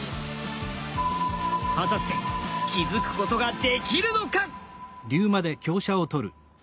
果たして気づくことができるのか